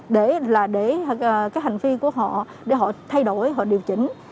để là để cái hành vi của họ để họ thay đổi họ điều chỉnh